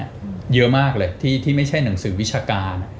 เยอะมากเลยที่ไม่ใช่หนังสือวิชาการ